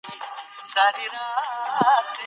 ثمر ګل په خپل کار بوخت و.